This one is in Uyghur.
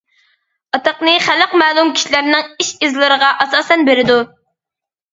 ئاتاقنى خەلق مەلۇم كىشىلەرنىڭ ئىش-ئىزلىرىغا ئاساسەن بېرىدۇ.